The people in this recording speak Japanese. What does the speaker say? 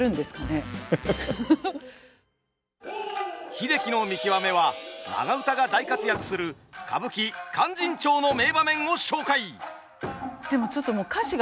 「英樹の見きわめ」は長唄が大活躍する歌舞伎「勧進帳」の名場面を紹介！